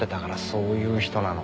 そういう人なの。